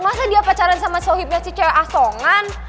masa dia pacaran sama sohibnya si cewek asongan